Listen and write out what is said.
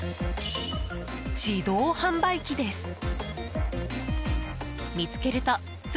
自動販売機です。